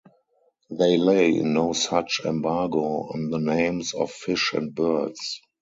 They lay no such embargo on the names of fish and birds.